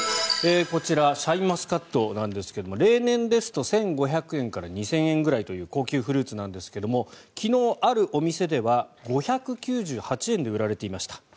こちらシャインマスカットですが例年ですと１５００円から２０００円という高級フルーツなんですが昨日、あるお店では５９８円で売られていました。